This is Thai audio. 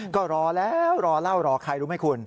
ก็รอแล้วรอเล่ารอใครรู้ไหมคุณ